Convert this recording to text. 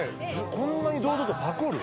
こんなに堂々とパクる？